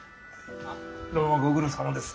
どうもご苦労さまです。